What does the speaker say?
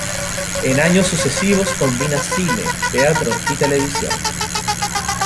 En años sucesivos combina cine, teatro y televisión.